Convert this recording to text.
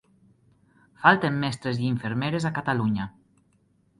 Falten mestres i infermeres a Catalunya.